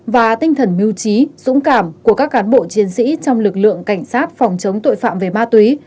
và tinh thần mưu trí dũng cảm của các cán bộ chiến sĩ trong lực lượng cảnh sát phòng chống tội phạm về ma túy